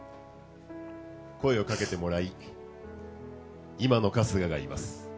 声をかけてもらい今の春日がいます。